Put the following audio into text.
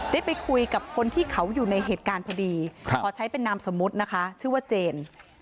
ได้ไปคุยกับคนที่เขาอยู่ในเหตุการณ์พอดีขอใช้เป็นนามสมมุตินะคะชื่อว่าเจน